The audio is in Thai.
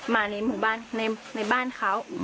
มาในหมู่บ้านในบ้านเขา